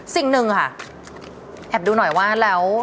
สิ่งหนึ่งค่ะแอบดูหน่อยว่าแล้ว